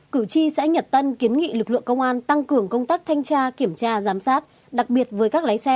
cử tri xã nhật tân kiến nghị lực lượng công an tăng cường công tác thanh tra kiểm tra giám sát đặc biệt với các lái xe